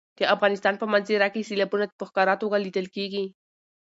د افغانستان په منظره کې سیلابونه په ښکاره توګه لیدل کېږي.